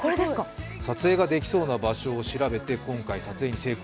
撮影ができそうな場所を調べて今回、撮影に成功。